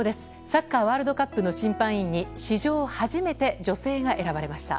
サッカーワールドカップの審判員に史上初めて女性が選ばれました。